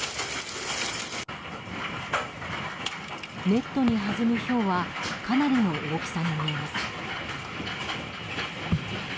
ネットに弾むひょうはかなりの大きさに見えます。